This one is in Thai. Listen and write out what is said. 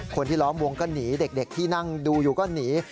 คนที่ล้อมวงก็หนีเด็กที่นั่งดูอยู่ก็หนี